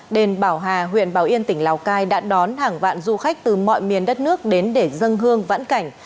đền bảo hà huyện bảo yên tỉnh lào cai đã đón hàng vạn du khách từ mọi miền đất nước đến để dân hương vãn cảnh